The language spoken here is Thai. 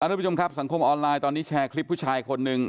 ทุกผู้ชมครับสังคมออนไลน์ตอนนี้แชร์คลิปผู้ชายคนหนึ่ง